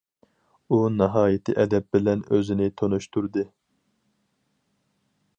ئۇ ناھايىتى ئەدەپ بىلەن ئۆزىنى تونۇشتۇردى.